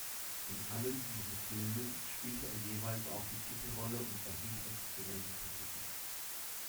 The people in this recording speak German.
In allen diesen Filmen spielte er jeweils auch die Titelrolle und erhielt exzellente Kritiken.